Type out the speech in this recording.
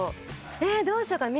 えっどうしようかな？